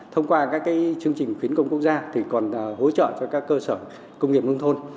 thông qua các chương trình khuyến công quốc gia thì còn hỗ trợ cho các cơ sở công nghiệp nông thôn